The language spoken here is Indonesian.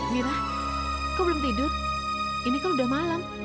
mira kau belum tidur ini kan udah malam